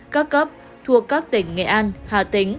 các cấp thuộc các tỉnh nghệ an hà tĩnh